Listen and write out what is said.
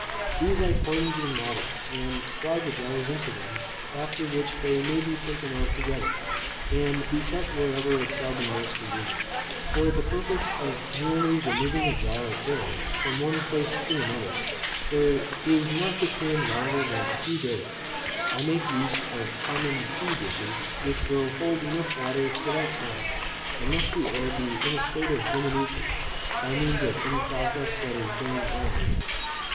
These I plunge in water, and slide the jars into them; after which they may be taken out together, and be set wherever it shall be most convenient. For the purpose of merely removing a jar of air from one place to another, where it is not to stand longer than a few days, I make use of common tea dishes, which will hold water enough for that time, unless the air be in a state of diminution, by means of any process that is going on in it.